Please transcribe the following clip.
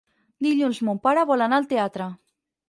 Dilluns mon pare vol anar al teatre.